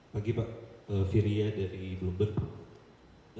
pagi pak firia dari bloomberg